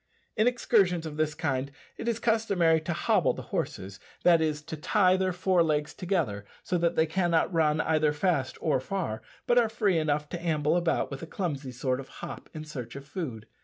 In excursions of this kind it is customary to "hobble" the horses that is, to tie their fore legs together, so that they cannot run either fast or far, but are free enough to amble about with a clumsy sort of hop in search of food.